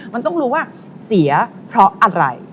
มันต้องรู้ว่าเสียเพราะอะไร